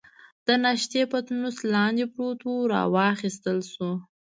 د ناشتې پتنوس لاندې پروت وو، را واخیستل شو.